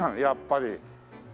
やっぱり。